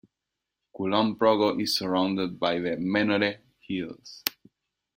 Kulon Progo is surrounded by the Menoreh Hills.